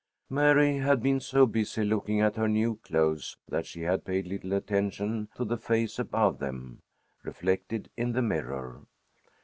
Mary had been so busy looking at her new clothes that she had paid little attention to the face above them, reflected in the mirror.